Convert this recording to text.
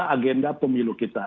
agenda pemilu kita